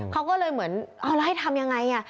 เขาก็เลยเหมือนเอาแล้วให้ทำยังไง